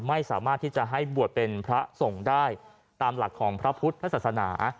ไม่สามารถที่จะให้บวชเป็นพระสงฆ์ได้ตามหลักของพระพุทธศาสนา